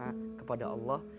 dan berdoa kepada allah